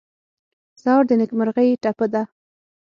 سهار د نېکمرغۍ ټپه ده.